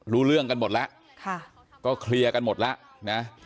รู้เรื่องกันหมดแล้วก็เคลียร์กันหมดแล้วนะ